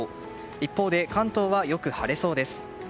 一方で、関東はよく晴れそうです。